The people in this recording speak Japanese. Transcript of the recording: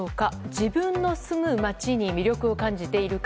自分の住む街に魅力を感じているか。